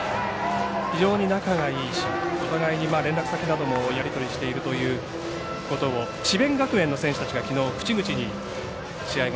非常に仲がいいお互いに連絡先などをやり取りしてるということを智弁学園の選手たちがきのう試合後